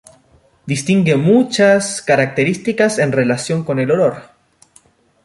Distingue muchas ca´racterísticas en relación con el olor.